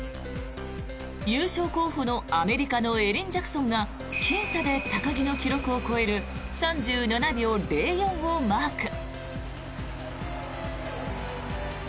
優勝候補のアメリカのエリン・ジャクソンがきん差で高木の記録を超える３７秒０４をマーク。